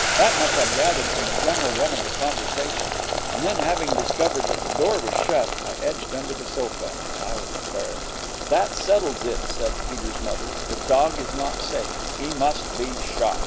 That much I gathered from the general run of the conversation, and then, having discovered that the door was shut, I edged under the sofa. I was embarrassed. 'That settles it!' said Peter's mother. 'The dog is not safe. He must be shot.'